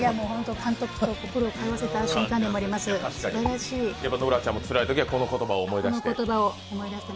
監督と心を通わせた瞬間でもありました、すばらしい。